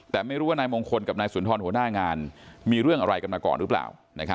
แต่ไม่รู้ว่านายมงคลกับนายสุนทรหัวหน้างานมีเรื่องอะไรกันมาก่อนหรือเปล่า